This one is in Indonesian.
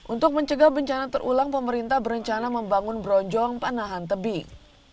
untuk mencegah bencana terulang pemerintah berencana membangun bronjong panahan tebing